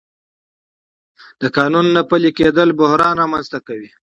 د قانون نه پلي کېدل بحران رامنځته کوي